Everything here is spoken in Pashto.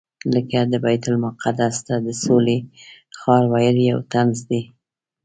لکه د بیت المقدس ته د سولې ښار ویل یو طنز دی.